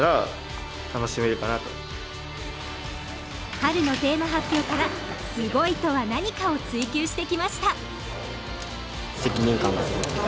春のテーマ発表から「すごいとは何か」を追求してきました